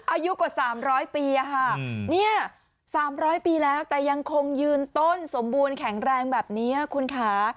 อายุกว่า๓๐๐ปีค่ะเนี่ย๓๐๐ปีแล้วแต่ยังคงยืนต้นสมบูรณ์แข็งแรงแบบนี้คุณค่ะ